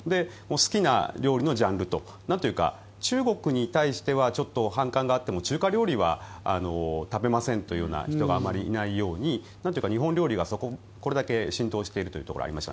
好きな料理のジャンルとなんというか中国に対してはちょっと反感があっても中華料理は食べませんという人があまりいないように日本料理がこれだけ浸透しているというところがあります。